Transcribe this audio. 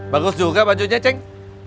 bagus juga bajunya ceng